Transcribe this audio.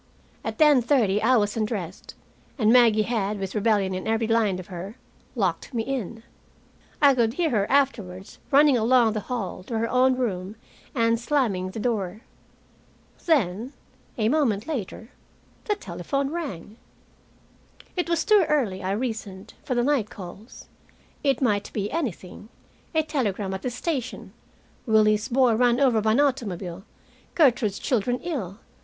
At ten thirty I was undressed, and Maggie had, with rebellion in every line of her, locked me in. I could hear her, afterwards running along the hall to her own room and slamming the door. Then, a moment later, the telephone rang. It was too early, I reasoned, for the night calls. It might be anything, a telegram at the station, Willie's boy run over by an automobile, Gertrude's children ill.